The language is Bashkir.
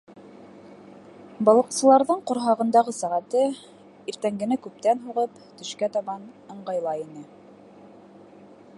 Балыҡсыларҙың ҡорһағындағы сәғәте, иртәнгене күптән һуғып, төшкә табан ыңғайлай ине.